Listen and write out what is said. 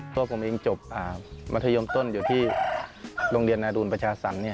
ตัวผมเองจบมัธยมต้นอยู่ที่โรงเรียนนาดูลประชาสรรค